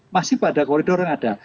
masih pada koridor yang ada